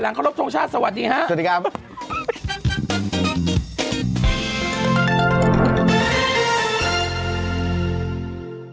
หลังขอรบทรงชาติสวัสดีฮะสวัสดีครับสวัสดีครับ